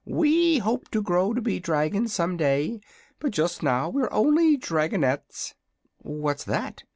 We hope to grow to be dragons some day, but just now we're only dragonettes." "What's that?"